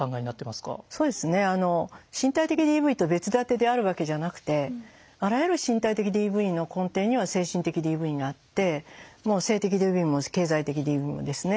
そうですね身体的ＤＶと別立てであるわけじゃなくてあらゆる身体的ＤＶの根底には精神的ＤＶがあってもう性的ＤＶも経済的ＤＶもですね。